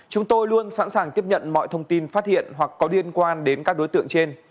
chúng tôi luôn sẵn sàng tiếp nhận mọi thông tin phát hiện hoặc có liên quan đến các đối tượng trên